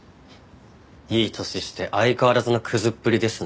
いい年して相変わらずなクズっぷりですね。